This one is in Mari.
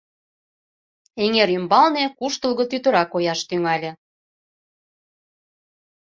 Эҥер ӱмбалне куштылго тӱтыра кояш тӱҥале.